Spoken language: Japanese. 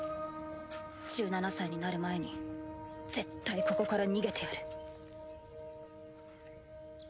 １７歳になる前に絶対ここから逃げてやる。